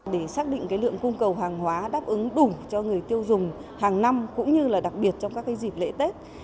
để xác định lượng cung cầu hàng hóa đáp ứng đủ cho người tiêu dùng hàng năm cũng như là đặc biệt trong các dịp lễ tết